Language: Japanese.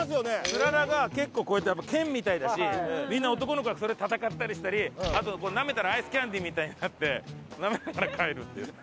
ツララが結構こうやってやっぱ剣みたいだしみんな男の子がそれで戦ったりしたりあとなめたらアイスキャンディーみたいになってなめながら帰るっていう。